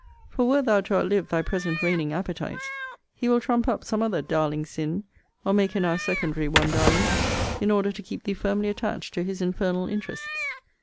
For, wert thou to outlive thy present reigning appetites, he will trump up some other darling sin, or make a now secondary one darling, in order to keep thee firmly attached to his infernal interests.